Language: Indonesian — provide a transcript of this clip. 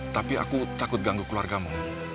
tapi aku takut ganggu keluargamu